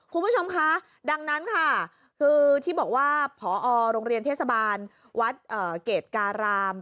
คุณผู้ชมคะดังนั้นค่ะคือที่บอกว่าพอโรงเรียนเทศบาลวัดเกรดการาม